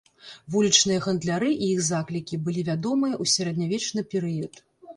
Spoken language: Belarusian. Вулічныя гандляры і іх заклікі былі вядомыя ў сярэднявечны перыяд.